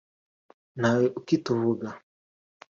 ntawe ukituvuga